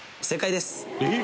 えっ！